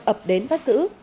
ấp đến bắt giữ